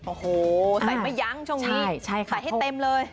โอ้โหใส่ไม่ยั้งช่วงนี้ใส่ให้เต็มเลย